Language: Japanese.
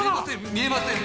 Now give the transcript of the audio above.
見えません！